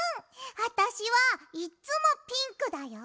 わたしはいっつもピンクだよ。